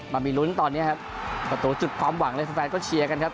มามีลุ้นตอนนี้ครับประตูจุดความหวังเลยแฟนก็เชียร์กันครับ